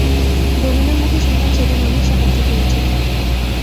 ডমিনোর মুখে শুনলাম সেদিন অনেক সাহায্য করেছিলে।